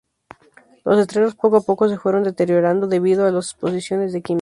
Los letreros poco a poco se fueron deteriorando debido a loas exposiciones de químicos.